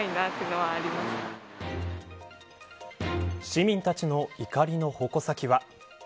市民たちの怒りの矛先は。